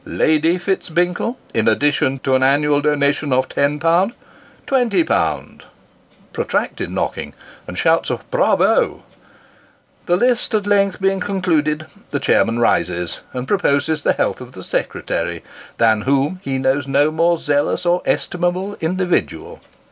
Lady Fitz Binkle, in addition to an annual donation of ten pound twenty pound " [protracted knock ing and shouts of " Bravo !"] The list being at length concluded, the chairman rises, and proposes the health of the secretary, than whom he knows no more zealous or estimable individual.